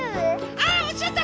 あおちちゃった！